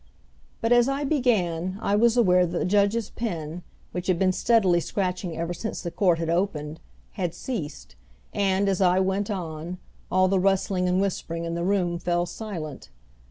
But as I began, I was aware that the judge's pen, which had been steadily scratching ever since the court had opened, had ceased; and, as I went on, all the rustling and whispering in the room fell silent.